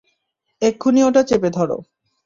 এক্ষুণি ওটা চেপে ধরো।